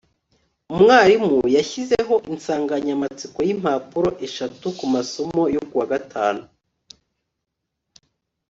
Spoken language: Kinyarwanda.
umwarimu yashyizeho insanganyamatsiko yimpapuro eshatu kumasomo yo kuwa gatanu